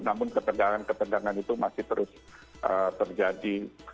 namun ketenangan ketenangan itu masih terus terjadi